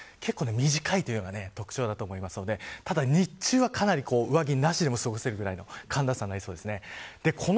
結構短いのが特徴だと思うのでただ日中は、かなり上着なしでも過ごせるぐらいの寒暖差になりそうです。